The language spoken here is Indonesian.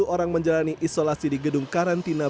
satu orang menjalani isolasi di gedung karantina